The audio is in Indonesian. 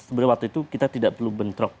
sebenarnya waktu itu kita tidak perlu bentrok